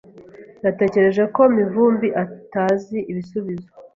Natekereje ko Mivumbi atazi ibisubizo.